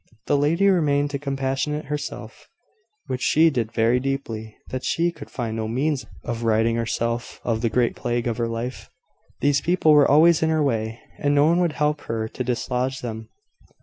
The lady remained to compassionate herself; which she did very deeply, that she could find no means of ridding herself of the great plague of her life. These people were always in her way, and no one would help her to dislodge them.